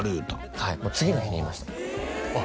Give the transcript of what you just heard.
はいもう次の日に言いましたあっ